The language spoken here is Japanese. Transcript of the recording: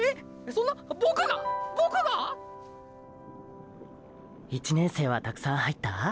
そんなっボクが⁉ボクが⁉１年生はたくさん入った？